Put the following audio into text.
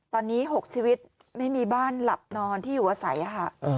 ตอนนี้๖ชีวิตไม่มีบ้านหลับนอนที่อยู่อาศัยค่ะ